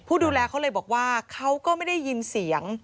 ดูแลเขาเลยบอกว่าเขาก็ไม่ได้ยินเสียง